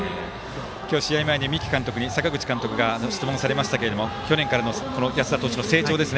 今日、試合前に三木監督に坂口さんが質問されましたけど去年からの安田投手の成長。